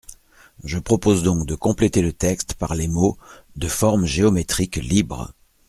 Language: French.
Je propose donc de compléter le texte par les mots « de forme géométrique libre ».